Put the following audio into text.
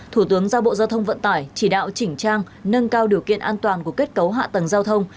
thủ tướng giao bộ giao thông vận tải chỉ đạo chỉnh trang nâng cao điều kiện an toàn của kết cấu hạ tầng giao thông